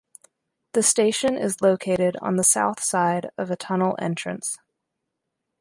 The station is located on the south side of a tunnel entrance.